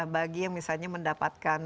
bagi yang misalnya mendapatkan